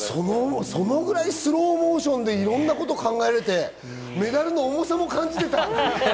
それくらいスローモーションでいろいろ考えられて、メダルの重さも感じられてた。